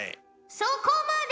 そこまで！